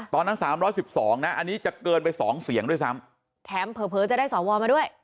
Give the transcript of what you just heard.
ตอนนั้น๓๑๒นะอันนี้จะเกินไป๒เสียงด้วยซ้ำแถมเผลอจะได้สอบวอลมาด้วย